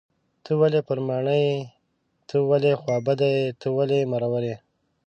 ته ولې پر ماڼي یې .ته ولې خوابدی یې .ته ولې مرور یې